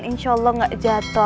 insya allah gak jatuh